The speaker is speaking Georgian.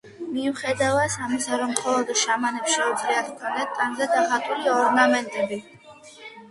მიუხედავას ამისა, რომ მხოლდო შამანებს შეუძლიათ ჰქონდეთ ტანზე დახატული ორნამენტები.